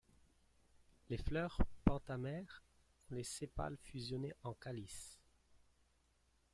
Les fleurs pentamères ont les sépales fusionnés en calice.